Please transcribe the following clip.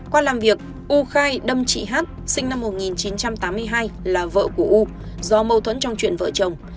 qua làm việc u khai đâm chị hát sinh năm một nghìn chín trăm tám mươi hai là vợ của u do mâu thuẫn trong chuyện vợ chồng